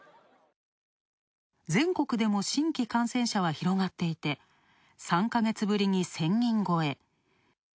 全国でも新規感染者は広がっていて、３か月ぶりに１０００人超え。